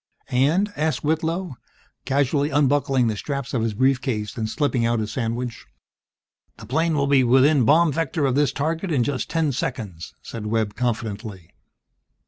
"And?" asked Whitlow, casually unbuckling the straps of his brief case and slipping out his sandwich. "The plane will be within bomb vector of this target in just ten seconds!" said Webb, confidently.